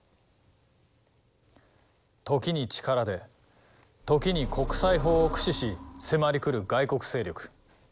時に力で時に国際法を駆使し迫りくる外国勢力。